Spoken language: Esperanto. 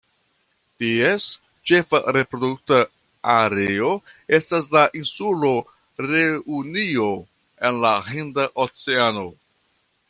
Ties ĉefa reprodukta areo estas la insulo Reunio en la Hinda Oceano.